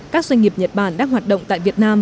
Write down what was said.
các doanh nghiệp nhật bản đang hoạt động tại việt nam